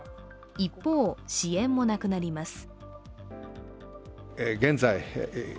一方、支援もなくなります。